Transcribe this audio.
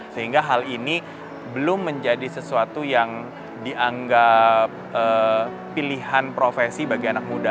sehingga hal ini belum menjadi sesuatu yang dianggap pilihan profesi bagi anak muda